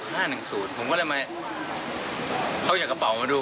ผมก็เลยมาเขาก็อยากกระเป๋ามาดู